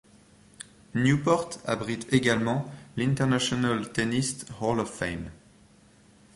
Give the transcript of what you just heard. Newport abrite également l'International Tennis Hall of Fame.